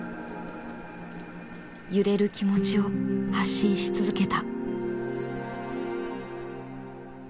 揺れる気持ちを発信し続けた。